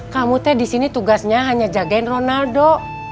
kamu teh disini tugasnya hanya jagain ronaldo